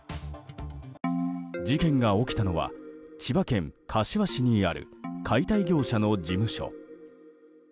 事件が起きたのは千葉県柏市にある解体業者の事務所。